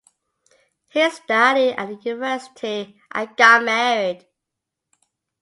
He studied at the university and got married.